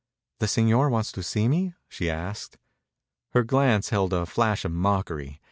"The señor wants to see me?" she asked. Her glance held a flash of mockery.